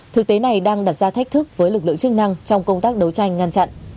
thực tế này đang đặt ra thách thức với lực lượng chức năng trong công tác đấu tranh ngăn chặn